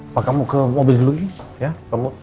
pak kamu ke mobil dulu